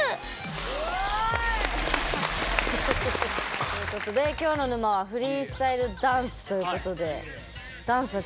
おおい！ということで今日の沼は「フリースタイルダンス」ということで。